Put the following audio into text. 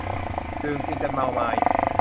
ดื่มกินจนเมามาย